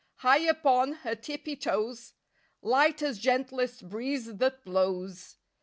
High upon her tippy toes, Light as gentlest breeze that blows.